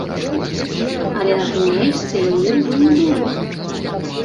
Але на тым месцы яе ўжо не было.